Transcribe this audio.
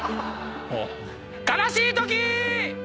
悲しいとき！